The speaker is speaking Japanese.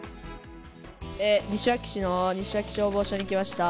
西脇市の西脇消防署に来ました。